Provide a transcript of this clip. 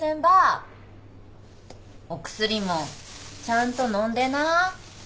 お薬もちゃんと飲んでな。